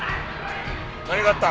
何があった？